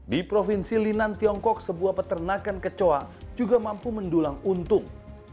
di provinsi linan tiongkok sebuah peternakan kecoa juga mampu mendulang untung